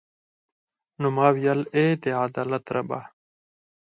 نو ما ویل ای د عدالت ربه.